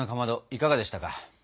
いかがでしたか？